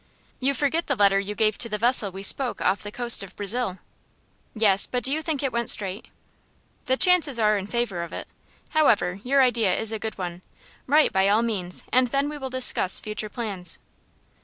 "You forget the letter you gave to the vessel we spoke off the coast of Brazil." "Yes; but do you think it went straight?" "The chances are in favor of it. However, your idea is a good one. Write, by all means, and then we will discuss future plans."